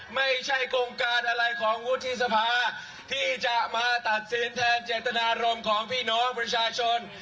ไม่ใช่โครงการอะไรของวุฒิสภาที่จะมาตัดสินแทนเจตนารมณ์ของพี่น้องประชาชน